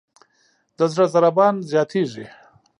د زړه ضربان زیاتېږي.